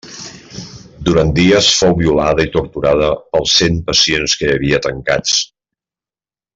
Durant dies fou violada i torturada pels cent pacients que hi havia tancats.